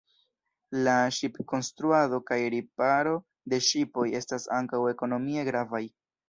La ŝipkonstruado kaj riparo de ŝipoj estas ankaŭ ekonomie gravaj.